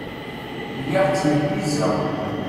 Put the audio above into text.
Lliɣ ttneggizeɣ.